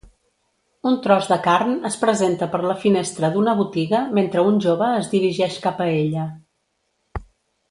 Un tros de carn es presenta per la finestra d'una botiga mentre un jove es dirigeix cap a ella